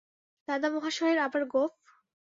দাদামহাশয়ের অবার গোঁফ!